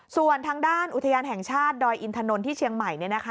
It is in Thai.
ส่วนทางด้านอุทยานแห่งชาติดอยอินทนนท์ที่เชียงใหม่